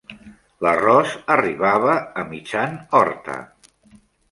L'arròs arribava a mitjan horta.